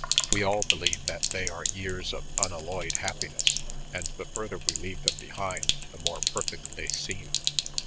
We all believe that they are years of unalloyed happiness, and the further we leave them behind the more perfect they seem.